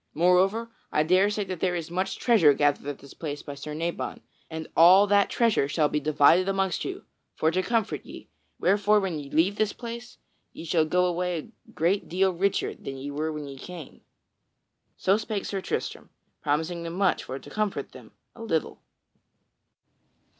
Moreover, I dare say that there is much treasure gathered at this place by Sir Nabon, and all that treasure shall be divided amongst you, for to comfort ye, wherefore when ye leave this place, ye shall go away a great deal richer than ye were when ye came." So spake Sir Tristram, promising them much for to comfort them a little.